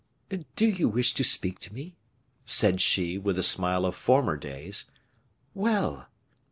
"Do you wish to speak to me?" said she, with the smile of former days. "Well!